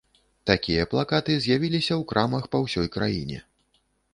Такія плакаты з'явіліся ў крамах па ўсёй краіне.